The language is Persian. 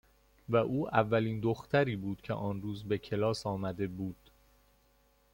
و او اولین دختری بود که آن روز به کلاس آمده بود.